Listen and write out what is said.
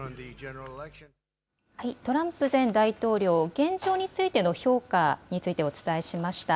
トランプ前大統領、現状についての評価についてお伝えしました。